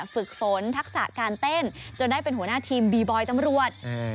ฝึกฝนทักษะการเต้นจนได้เป็นหัวหน้าทีมบีบอยตำรวจ